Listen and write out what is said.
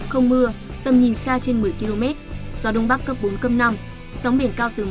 không mưa tầm nhìn xa trên một mươi km gió đông bắc cấp bốn năm sóng biển cao từ một hai m